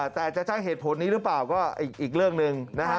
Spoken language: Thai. แต่จะใช้เหตุผลนี้หรือเปล่าก็อีกเรื่องหนึ่งนะฮะ